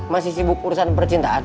masih sibuk urusan percintaan